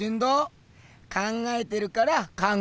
考えてるから「考える人」だっぺ！